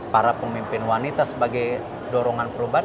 para pemimpin wanita sebagai dorongan perubahan